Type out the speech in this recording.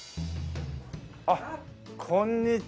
あっこんにちは。